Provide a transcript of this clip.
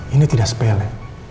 ini tidak sepele